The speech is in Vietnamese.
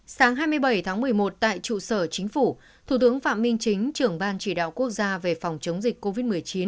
sáng hai mươi bảy tháng một mươi một tại trụ sở chính phủ thủ tướng phạm minh chính trưởng ban chỉ đạo quốc gia về phòng chống dịch covid một mươi chín